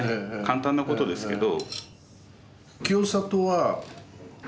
簡単なことですけど。